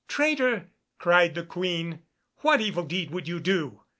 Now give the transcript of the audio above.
"Traitor," cried the Queen, "what evil deed would you do?